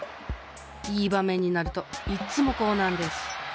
いいばめんになるといっつもこうなんです。